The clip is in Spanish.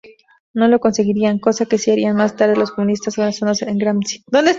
No lo conseguirían, cosa que sí harían más tarde los comunistas basándose en Gramsci.